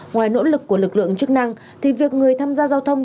ngoài nỗ lực của lực lượng chức năng thì việc người tham gia giao thông